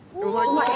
うまい。